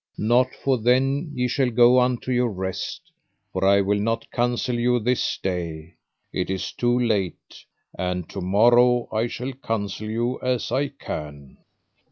Not for then ye shall go unto your rest, for I will not counsel you this day, it is too late, and to morrow I shall counsel you as I can.